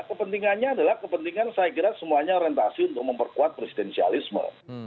kepentingannya adalah kepentingan saya kira semuanya orientasi untuk memperkuat presidensialisme